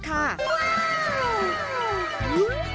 ว้าว